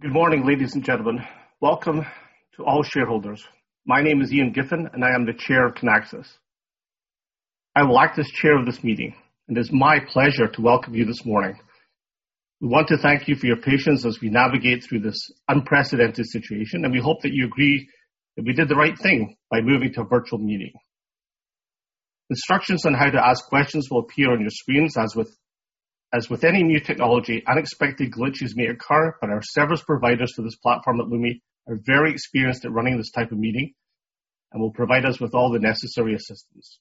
Good morning, ladies and gentlemen. Welcome to all shareholders. My name is Ian Giffen, and I am the chair of Kinaxis. I will act as chair of this meeting, and it's my pleasure to welcome you this morning. We want to thank you for your patience as we navigate through this unprecedented situation, and we hope that you agree that we did the right thing by moving to a virtual meeting. Instructions on how to ask questions will appear on your screens. As with any new technology, unexpected glitches may occur, but our service providers for this platform at Lumi are very experienced at running this type of meeting and will provide us with all the necessary assistance.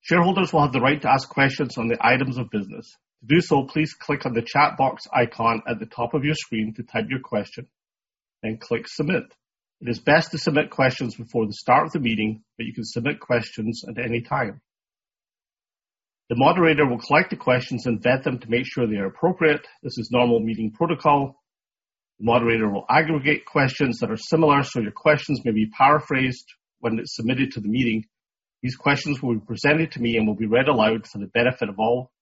Shareholders will have the right to ask questions on the items of business. To do so, please click on the chat box icon at the top of your screen to type your question, then click submit. It is best to submit questions before the start of the meeting, but you can submit questions at any time. The moderator will collect the questions and vet them to make sure they are appropriate. This is normal meeting protocol. The moderator will aggregate questions that are similar, so your questions may be paraphrased when it's submitted to the meeting. These questions will be presented to me and will be read aloud for the benefit of all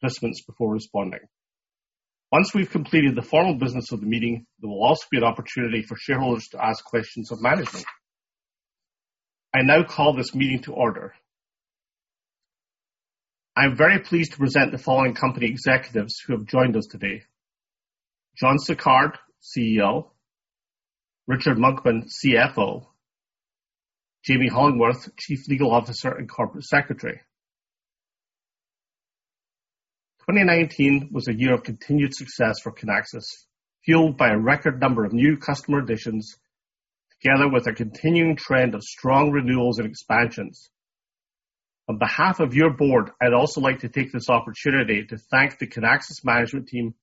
participants before responding. Once we've completed the formal business of the meeting, there will also be an opportunity for shareholders to ask questions of management. I now call this meeting to order. I am very pleased to present the following company executives who have joined us today. John Sicard, CEO. Richard Monkman, CFO. Jamie Hollingworth, Chief Legal Officer and Corporate Secretary. 2019 was a year of continued success for Kinaxis, fueled by a record number of new customer additions, together with a continuing trend of strong renewals and expansions. On behalf of your board, I'd also like to take this opportunity to thank the Kinaxis management team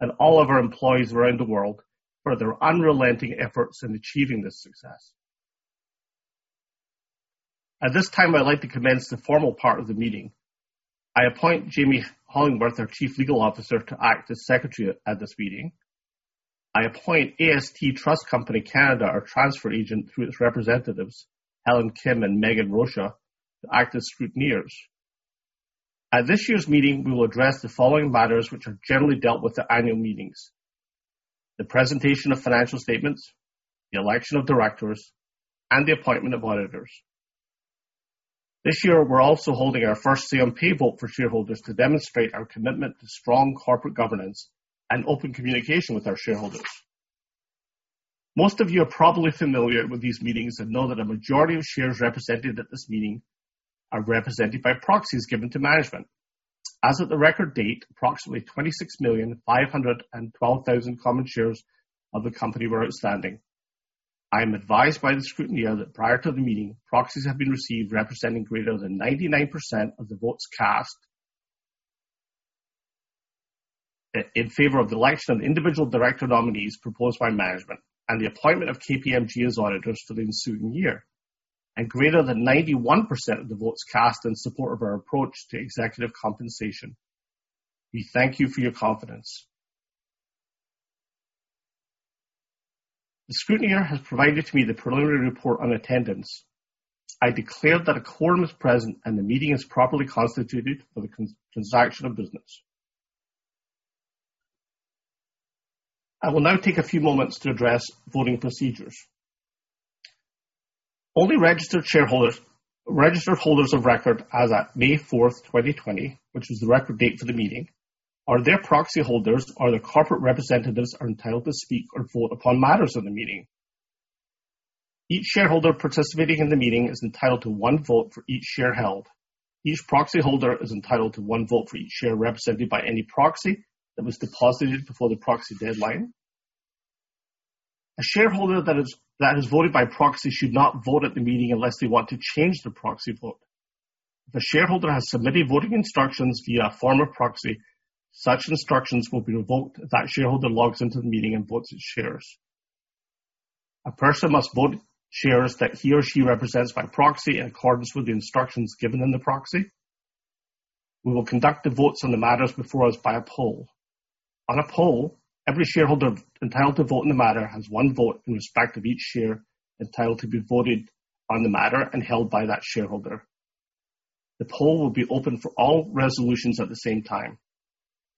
and all of our employees around the world for their unrelenting efforts in achieving this success. At this time, I'd like to commence the formal part of the meeting. I appoint Jamie Hollingworth, our Chief Legal Officer, to act as secretary at this meeting. I appoint AST Trust Company (Canada), our transfer agent, through its representatives, Helen Kim and Megan Rocha, to act as scrutineers. At this year's meeting, we will address the following matters, which are generally dealt with at annual meetings: the presentation of financial statements, the election of directors, and the appointment of auditors. This year, we're also holding our first say on pay vote for shareholders to demonstrate our commitment to strong corporate governance and open communication with our shareholders. Most of you are probably familiar with these meetings and know that a majority of shares represented at this meeting are represented by proxies given to management. As of the record date, approximately 26,512,000 common shares of the company were outstanding. I am advised by the scrutineer that prior to the meeting, proxies have been received representing greater than 99% of the votes cast in favor of the election of individual director nominees proposed by management and the appointment of KPMG as auditors for the ensuing year, and greater than 91% of the votes cast in support of our approach to executive compensation. We thank you for your confidence. The scrutineer has provided to me the preliminary report on attendance. I declare that a quorum is present, and the meeting is properly constituted for the transaction of business. I will now take a few moments to address voting procedures. Only registered holders of record as at May fourth, 2020, which was the record date for the meeting, or their proxy holders, or their corporate representatives, are entitled to speak or vote upon matters of the meeting. Each shareholder participating in the meeting is entitled to one vote for each share held. Each proxy holder is entitled to one vote for each share represented by any proxy that was deposited before the proxy deadline. A shareholder that has voted by proxy should not vote at the meeting unless they want to change their proxy vote. If a shareholder has submitted voting instructions via a form of proxy, such instructions will be revoked if that shareholder logs into the meeting and votes his shares. A person must vote shares that he or she represents by proxy in accordance with the instructions given in the proxy. We will conduct the votes on the matters before us by a poll. On a poll, every shareholder entitled to vote in the matter has one vote in respect of each share entitled to be voted on the matter and held by that shareholder. The poll will be open for all resolutions at the same time.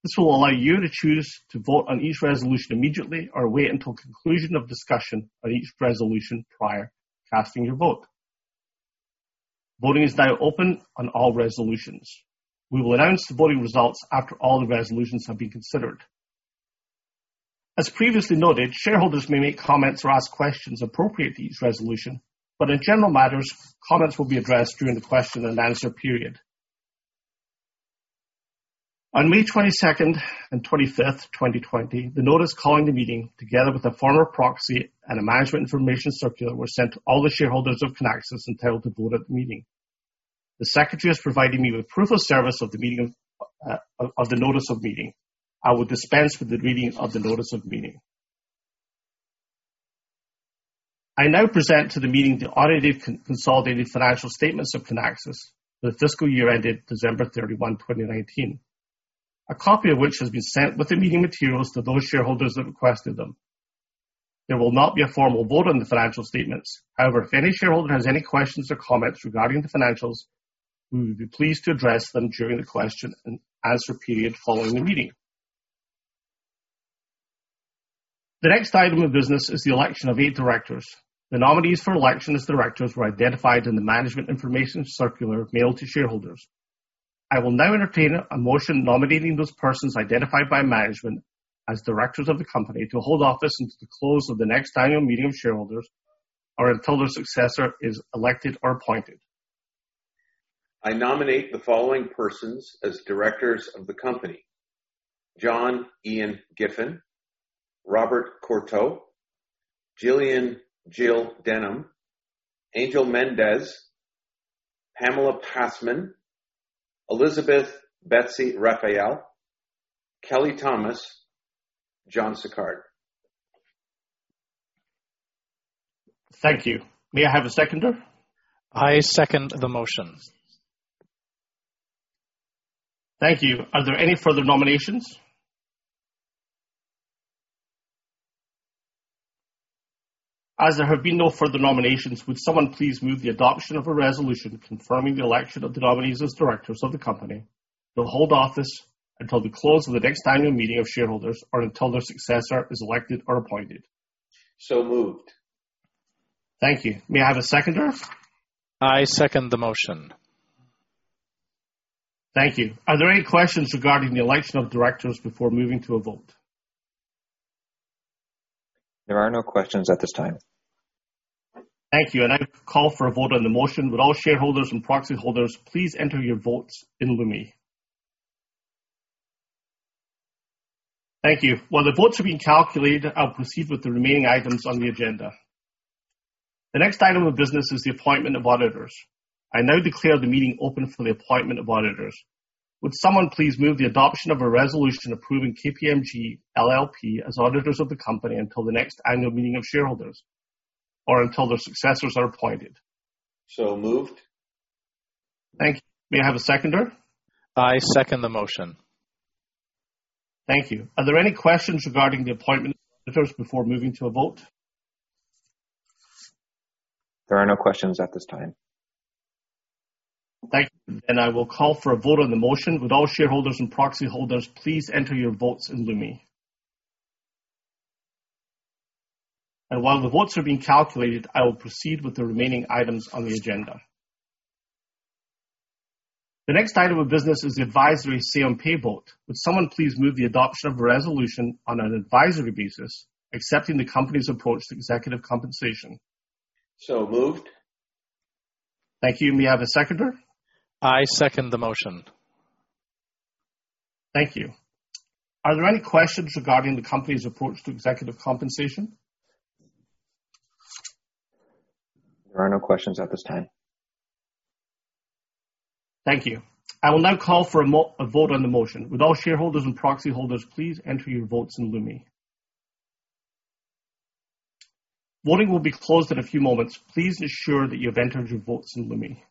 This will allow you to choose to vote on each resolution immediately or wait until conclusion of discussion on each resolution prior to casting your vote. Voting is now open on all resolutions. We will announce the voting results after all the resolutions have been considered. As previously noted, shareholders may make comments or ask questions appropriate to each resolution, but in general matters, comments will be addressed during the question and answer period. On May 22nd and 25th, 2020, the notice calling the meeting, together with a form of proxy and a management information circular, were sent to all the shareholders of Kinaxis entitled to vote at the meeting. The secretary has provided me with proof of service of the notice of meeting. I will dispense with the reading of the notice of meeting. I now present to the meeting the audited consolidated financial statements of Kinaxis for the fiscal year ended December 31, 2019. A copy of which has been sent with the meeting materials to those shareholders that requested them. There will not be a formal vote on the financial statements. If any shareholder has any questions or comments regarding the financials, we would be pleased to address them during the question and answer period following the meeting. The next item of business is the election of eight directors. The nominees for election as directors were identified in the management information circular mailed to shareholders. I will now entertain a motion nominating those persons identified by management as directors of the company to hold office until the close of the next annual meeting of shareholders or until their successor is elected or appointed. I nominate the following persons as directors of the company: John Ian Giffen, Robert Courteau, Gillian Jill Denham, Angel Mendez, Pamela Passman, Elizabeth Betsy Rafael, Kelly Thomas, John Sicard. Thank you. May I have a seconder? I second the motion. Thank you. Are there any further nominations? As there have been no further nominations, would someone please move the adoption of a resolution confirming the election of the nominees as directors of the company to hold office until the close of the next annual meeting of shareholders, or until their successor is elected or appointed. So moved. Thank you. May I have a seconder? I second the motion. Thank you. Are there any questions regarding the election of directors before moving to a vote? There are no questions at this time. Thank you. I call for a vote on the motion. Would all shareholders and proxy holders please enter your votes in Lumi. Thank you. While the votes are being calculated, I will proceed with the remaining items on the agenda. The next item of business is the appointment of auditors. I now declare the meeting open for the appointment of auditors. Would someone please move the adoption of a resolution approving KPMG LLP as auditors of the company until the next annual meeting of shareholders or until their successors are appointed. So moved. Thank you. May I have a seconder? I second the motion. Thank you. Are there any questions regarding the appointment of auditors before moving to a vote? There are no questions at this time. Thank you. I will call for a vote on the motion. Would all shareholders and proxy holders please enter your votes in Lumi. While the votes are being calculated, I will proceed with the remaining items on the agenda. The next item of business is the advisory say on pay vote. Would someone please move the adoption of a resolution on an advisory basis accepting the company's approach to executive compensation? Moved. Thank you. May I have a seconder? I second the motion. Thank you. Are there any questions regarding the company's approach to executive compensation? There are no questions at this time. Thank you. I will now call for a vote on the motion. Would all shareholders and proxy holders please enter your votes in Lumi. Voting will be closed in a few moments. Please ensure that you have entered your votes in Lumi.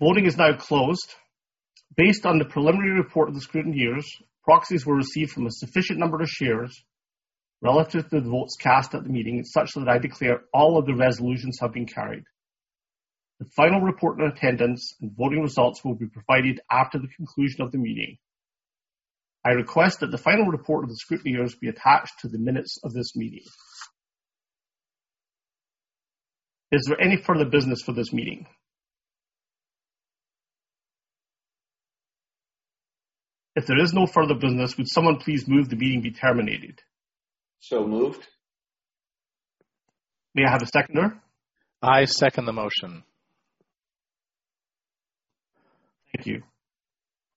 Voting is now closed. Based on the preliminary report of the scrutineers, proxies were received from a sufficient number of shares relative to the votes cast at the meeting, such that I declare all of the resolutions have been carried. The final report on attendance and voting results will be provided after the conclusion of the meeting. I request that the final report of the scrutineers be attached to the minutes of this meeting. Is there any further business for this meeting? If there is no further business, would someone please move the meeting be terminated. Moved. May I have a seconder? I second the motion. Thank you.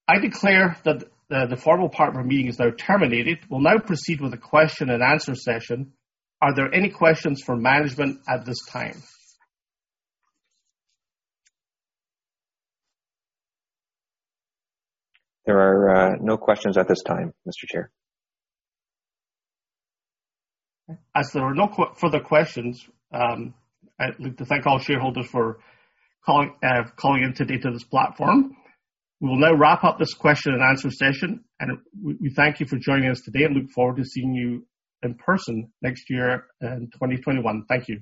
I declare that the formal part of our meeting is now terminated. We'll now proceed with the question and answer session. Are there any questions for management at this time? There are no questions at this time, Mr. Chair. As there are no further questions, I'd like to thank all shareholders for calling in today to this platform. We will now wrap up this question and answer session. We thank you for joining us today and look forward to seeing you in person next year in 2021. Thank you.